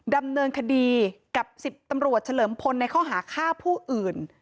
ดำเนินคดีกับ๑๐ตำรวจเฉลิมพลในข้อหาฆ่าผู้อื่น